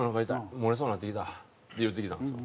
漏れそうになってきた」って言うてきたんですよ。